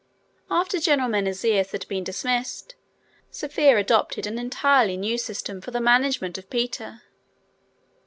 After General Menesius had been dismissed, Sophia adopted an entirely new system for the management of Peter.